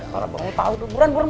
kalau bangun tau buruan buruan